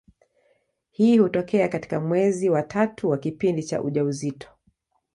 Hii hutokea katika mwezi wa tatu wa kipindi cha ujauzito.